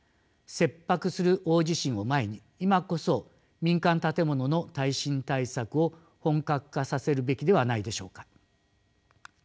切迫する大地震を前に今こそ民間建物の耐震対策を本格化させるべきではないでしょうか。